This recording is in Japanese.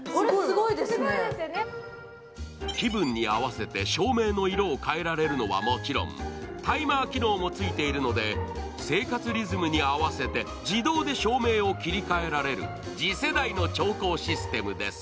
気分に合わせて照明の色を変えられるのはもちろんタイマー機能もついているので生活リズムにあ合わせて自動で照明を切り替えられる次世代の調光システムです。